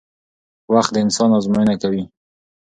وخت د انسان ازموینه کوي